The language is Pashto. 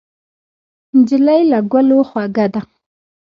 نجلۍ له ګلو خوږه ده.